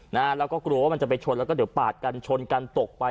นะฮะแล้วก็กลัวว่ามันจะไปชนแล้วก็เดี๋ยวปาดกันชนกันตกไป